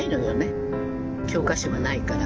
教科書がないから。